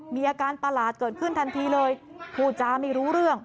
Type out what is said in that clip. มีอาการประหลาดเกิดขึ้นทันทีเลยพูดจาไม่รู้เรื่อง